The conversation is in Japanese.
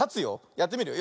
やってみるよ。